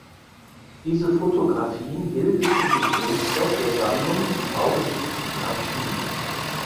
Diese Fotografien bildeten den Grundstock der Sammlung im Baugeschichtlichen Archiv.